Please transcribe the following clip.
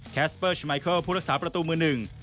สเปอร์ชมัยเคิลผู้รักษาประตูมือหนึ่ง